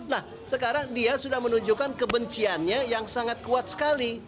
nah sekarang dia sudah menunjukkan kebenciannya yang sangat kuat sekali